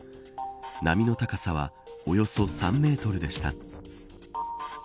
波の高さはおよそ３メートルでした。